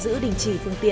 cán bộ chiến sĩ cũng phải